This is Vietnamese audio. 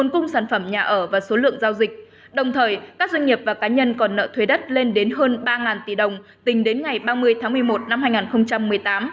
cùng thời các doanh nghiệp và cá nhân còn nợ thuê đất lên đến hơn ba tỷ đồng tính đến ngày ba mươi tháng một mươi một năm hai nghìn một mươi tám